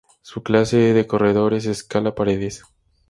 Su clase de corredor es "escala paredes".